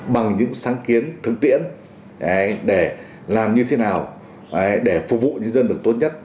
bằng những sáng kiến thương tiễn để làm như thế nào để phục vụ người dân được tốt nhất